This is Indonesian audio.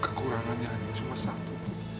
kekurangannya hanya yang satu